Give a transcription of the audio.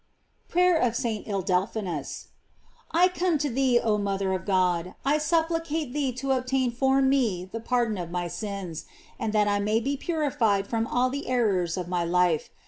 PBATER OP ST. ILDEPHONSUS. I COME to thee, oh mother of God, I supplicate thee to obtain for me the pardon of my sins, and that I may be purified from all the errors of my life.